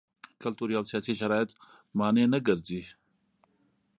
کلتوري او سیاسي شرایط مانع نه ګرځي.